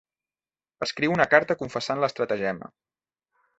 Escriu una carta confessant l'estratagema.